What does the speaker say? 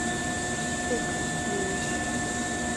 Six, please.